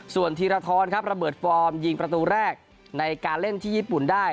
ส่วนธีรทรครับระเบิดฟอร์มยิงประตูแรกในการเล่นที่ญี่ปุ่นได้